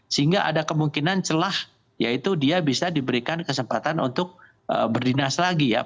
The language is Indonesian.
sehingga ada kemungkinan celah yaitu dia bisa diberikan kesempatan untuk berdinas lagi ya